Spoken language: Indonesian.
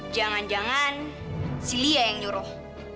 jangan jangan si lia yang nyuruh